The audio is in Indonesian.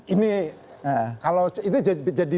ini kalau itu jadi